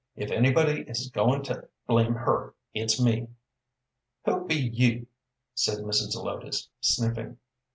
If anybody is goin' to blame her, it's me." "Who be you?" said Mrs. Zelotes, sniffing.